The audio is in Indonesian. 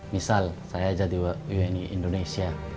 misal saya jadi uni indonesia